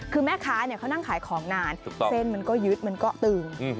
คือแม่ค้าเขานั่งขายของนานเส้นมันก็ยึดมันก็ตึง